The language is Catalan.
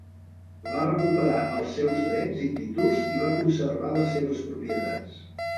Va recuperar els seus drets i títols i va conservar les seves propietats.